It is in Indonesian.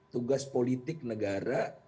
tugas politik negara